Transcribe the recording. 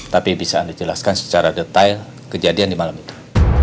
tapi bisa anda jelaskan secara detail kejadian di malam itu